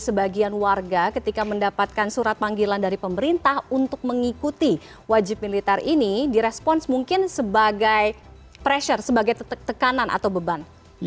sehingga korea selatan menjadi satu satunya wilayah di seluruh dunia yang masih terlibat dalam perang dingin